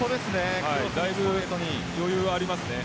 だいぶ余裕ありますね。